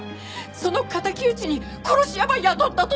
その敵討ちに殺し屋ば雇ったとです！